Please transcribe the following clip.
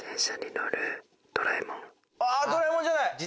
ドラえもんじゃない！